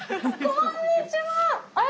こんにちは！